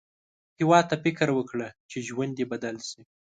هیواد ته فکر وکړه، چې ژوند دې بدل شي